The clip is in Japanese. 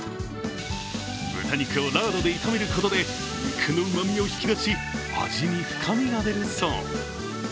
豚肉をラードで炒めることで肉のうまみを引き出し味に深みが出るそう。